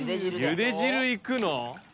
ゆで汁いくの？